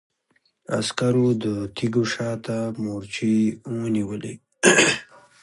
عسکرو د تيږو شا ته مورچې ونيولې.